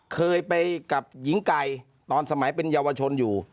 เคยไปกับหญิงไก่ตอนสมัยเป็นเยาวชนอยู่